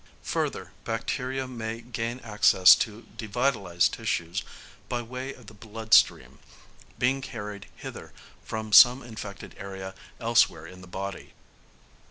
Further, bacteria may gain access to devitalised tissues by way of the blood stream, being carried hither from some infected area elsewhere in the body.